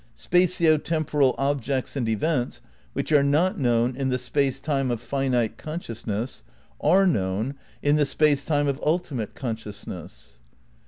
Spatio temporal objects and events, which are not known in the space time of finite consciousness, are known in the Space Time of ultimate conscious ness.